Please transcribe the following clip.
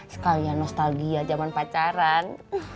sekalian nostalgia zaman pacaran